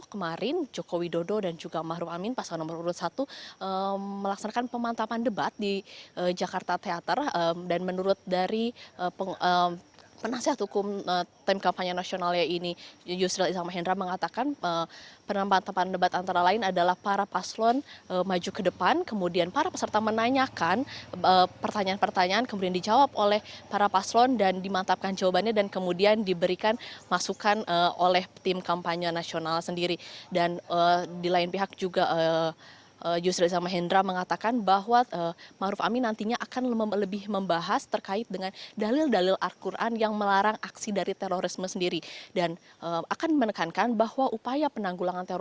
kemarin joko widodo dan juga ma'ruf amin pasang nomor urut satu melaksanakan pemantapan debat di jakarta teater dan menurut dari penasihat hukum tim kampanye nasionalnya ini yusril ishak mahendra mengatakan penantapan debat antara lain adalah para paslon maju ke depan kemudian para peserta menanyakan pertanyaan pertanyaan kemudian dijawab oleh para paslon dan dimantapkan jawabannya dan kemudian diberikan masukan oleh tim kampanye nasional